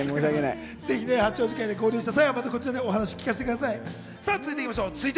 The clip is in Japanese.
八王子会で合流した際はまたこちらにお話聞かせてください。